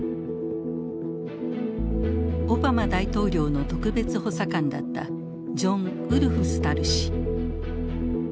オバマ大統領の特別補佐官だったジョン・ウルフスタル氏。